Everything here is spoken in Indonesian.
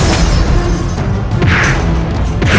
saya sedang memungkiri masjid